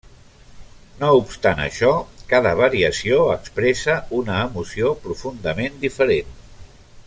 No obstant això, cada variació expressa una emoció profundament diferent.